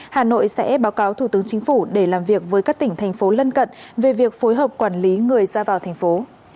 hà nội sẽ báo cáo thủ tướng chính phủ để làm việc với các tỉnh thành phố lân cận về việc phối hợp quản lý người ra vào thành phố